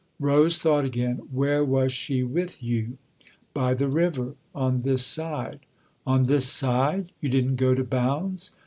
Rose thought again. " Where was she with you?" " By the river, on this side." " On this side ? You didn't go to Bounds